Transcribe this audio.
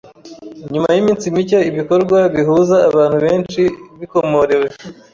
nyuma y’iminsi mike ibikorwa bihuza abantu benshi bikomorewe.